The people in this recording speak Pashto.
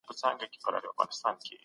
هغه خپل ارزښت درک کړی و.